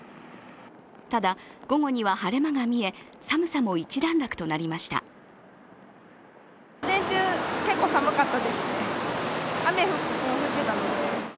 ただ、午後には晴れ間が見え寒さも一段落となりました。